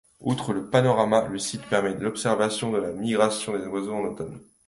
Outre le panorama, le site permet l'observation de la migration des oiseaux en automne.